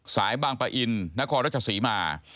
สายบางปะอินนครรัชศรีมา